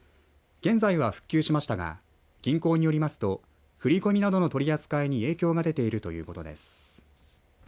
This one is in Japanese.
現在は復旧しましたが銀行によりますと振り込みなどの取り扱いに影響が出ているということです。